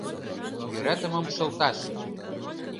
Йӧратымым шылташ.